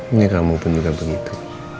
ini kamu pun juga begitu